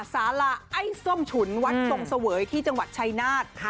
สาราไอ้ส้มฉุนวัดทรงเสวยที่จังหวัดชายนาฏ